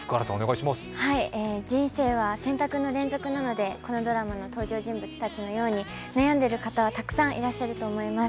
人生は選択の連続なのでこのドラマの登場人物たちのように悩んでいる方はたくさんいらっしゃると思います。